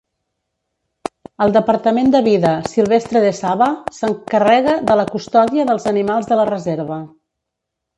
El Departament de Vida Silvestre de Sabah s'encarrega de la custòdia dels animals de la reserva.